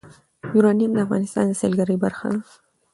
یورانیم د افغانستان د سیلګرۍ برخه ده.